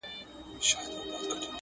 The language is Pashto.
چي تر پام دي ټول جهان جانان جانان سي.